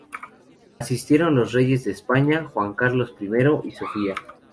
Asistieron los reyes de España, Juan Carlos I y Sofía.